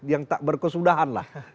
yang tak berkesudahan lah